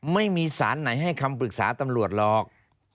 ไม่มีสารไหนให้คำปรึกษาตำรวจหรอก